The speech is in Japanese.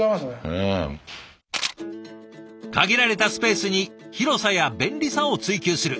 限られたスペースに広さや便利さを追求する。